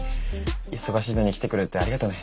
忙しいのに来てくれてありがとね。